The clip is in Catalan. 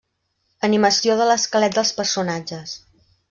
Animació de l'esquelet dels personatges.